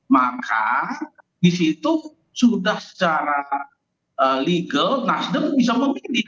maka di situ sudah secara legal nasdem bisa memimpin